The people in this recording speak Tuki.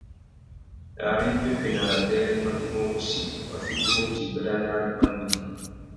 Ari pepenarâmbérénô i mú wussi, wa fitimú djï béranari pandú ngüima.